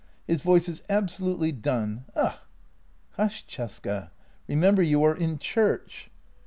His voice is absolutely done. Ugh! "" Hush, Cesca! Remember you are in church."